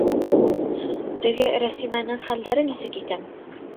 — Теге Рәсимәнең хәлдәре нисек икән?